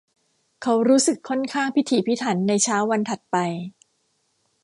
เขารู้สึกค่อนข้างพิถีพิถันในเช้าวันถัดไป